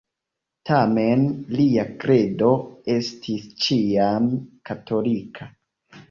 Tamen lia kredo estis ĉiam katolika.